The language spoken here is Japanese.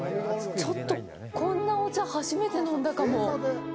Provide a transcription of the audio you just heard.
ちょっとこんなお茶、初めて飲んだかも。